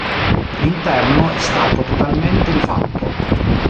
L'interno è stato totalmente rifatto.